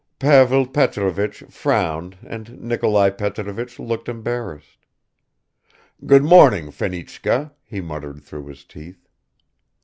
Pavel Petrovich frowned and Nikolai Petrovich looked embarrassed. "Good morning, Fenichka," he muttered through his teeth.